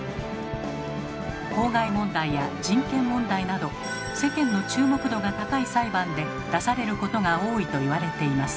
公害問題や人権問題など世間の注目度が高い裁判で出されることが多いと言われています。